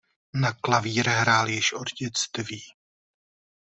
Na klavír hrál již od dětství.